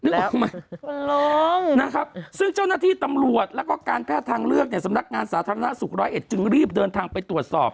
ออกมาร้องนะครับซึ่งเจ้าหน้าที่ตำรวจแล้วก็การแพทย์ทางเลือกเนี่ยสำนักงานสาธารณสุขร้อยเอ็ดจึงรีบเดินทางไปตรวจสอบ